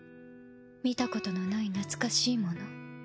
見たことのない懐かしいもの。